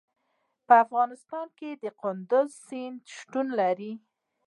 په افغانستان کې د کندز سیند شتون لري.